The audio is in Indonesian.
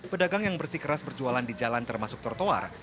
pedagang yang bersikeras berjualan di jalan termasuk tertular